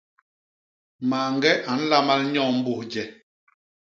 Mañge a nlamal nyo mbus je.